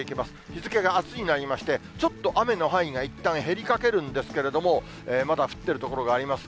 日付があすになりまして、ちょっと雨の範囲がいったん減りかけるんですけれども、まだ降ってる所があります。